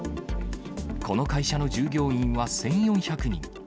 この会社の従業員は１４００人。